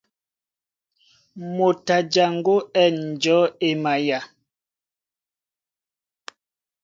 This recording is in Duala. Moto a jaŋgó á ɛ̂n njɔ̌ e maya.